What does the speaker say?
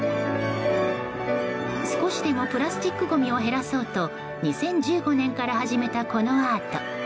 少しでもプラスチックごみを減らそうと２０１５年から始めたこのアート。